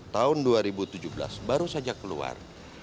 tahun dua ribu tujuh belas baru saja keluar